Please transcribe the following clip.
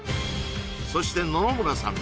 そして野々村さん